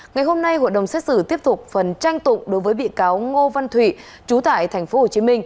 ngày hôm nay hội đồng xét xử tiếp tục phần tranh tụng đối với bị cáo ngô văn thụy chú tại tp hcm